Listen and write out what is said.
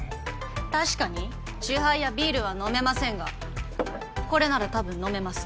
確かにチューハイやビールは飲めませんがこれなら多分飲めます